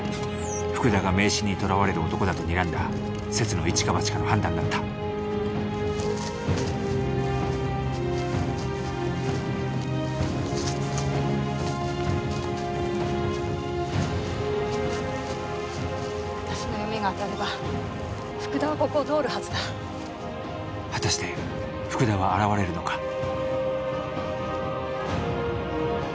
福田が迷信にとらわれる男だとにらんだせつの一か八かの判断だった果たして福田は現れるのか？